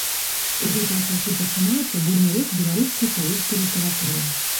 У гэтыя часы пачынаецца бурны рост беларускай савецкай літаратуры.